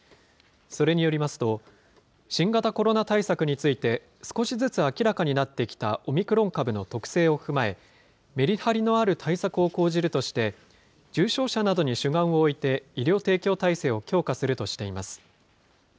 それによりますと、新型コロナ対策について、少しずつ明らかになってきたオミクロン株の特性を踏まえ、メリハリのある対策を講じるとして、重症者などに主眼を置いて、医療提供体制を強化するとしています。